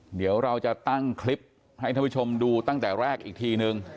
เดี๋ยวเราจะตั้งคลิปให้ท่านผู้ชมดูตั้งแต่แรกอีกทีนึง